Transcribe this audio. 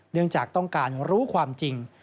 เนื่องจากต้องการรู้ความจริง